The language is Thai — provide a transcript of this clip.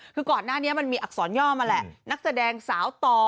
คือก่อนหน้านี้มันมีอักษรย่อมาแหละนักแสดงสาวต่อ